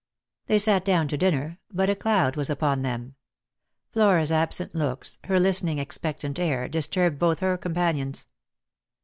They sat down to dinner, but a cloud was upon them. Flora's absent looks, her listening expectant air, disturbed both her companions.